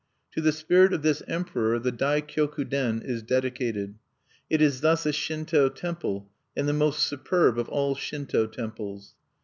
To the Spirit of this Emperor the Dai Kioku Den is dedicated: it is thus a Shinto temple, and the most superb of all Shinto temples.